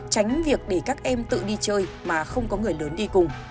tránh việc để các em tự đi chơi mà không có người lớn đi cùng